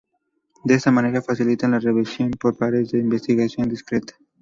De esta manera, facilitan la revisión por pares de la investigación descrita.